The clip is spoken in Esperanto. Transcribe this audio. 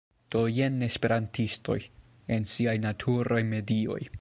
Do, jen esperantistoj... en siaj naturaj medioj